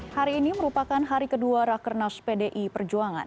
hari ini merupakan hari kedua rakernas pdi perjuangan